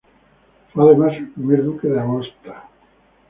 Fue, además, el primer duque de Aosta.